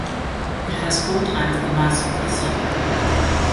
It has four times the mass of the Sun.